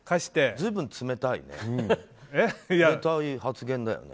随分冷たいね。